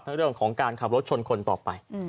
และการขับรถชนคนต่อไป